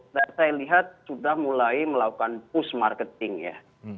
saya lihat sudah mulai melakukan push marketing ya